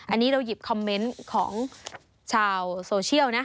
อันนี้เราหยิบคอมเมนต์ของชาวโซเชียลนะ